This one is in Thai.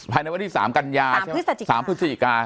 ภายในวันที่๓กันยา๓พฤศจิกา